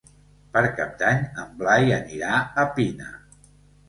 Per Cap d'Any en Blai anirà a Pina.